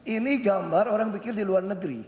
ini gambar orang pikir di luar negeri